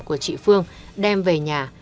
của chị phương đem về nhà